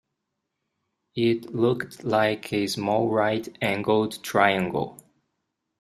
It looked like a small right-angled triangle